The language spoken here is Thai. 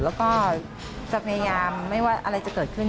แล้วก็จะพยายามไม่ว่าอะไรจะเกิดขึ้น